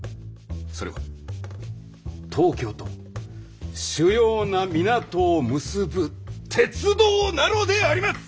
それは東京と主要な港を結ぶ鉄道なのであります！